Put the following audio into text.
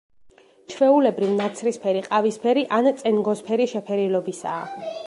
ჩვეულებრივ ნაცრისფერი, ყავისფერი ან წენგოსფერი შეფერილობისაა.